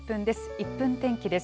１分天気です。